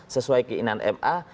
sesuai keinginan ma